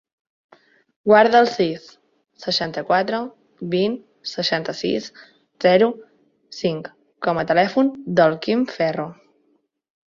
Guarda el sis, seixanta-quatre, vint, seixanta-sis, zero, cinc com a telèfon del Quim Ferro.